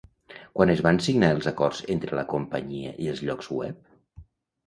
Quan es van signar els acords entre la companyia i els llocs web?